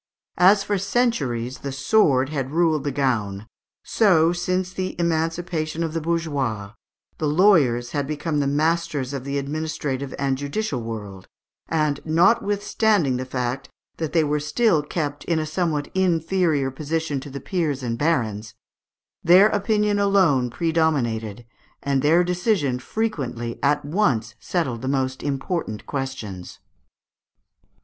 As for centuries the sword had ruled the gown, so, since the emancipation of the bourgeois, the lawyers had become masters of the administrative and judicial world; and, notwithstanding the fact that they were still kept in a somewhat inferior position to the peers and barons, their opinion alone predominated, and their decision frequently at once settled the most important questions.